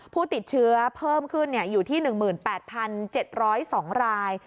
ผู้ติดเชื้อเพิ่มขึ้นอยู่ที่๑๘๗๐๒ราย